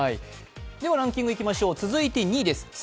ランキングいきましょう、続いて２位です。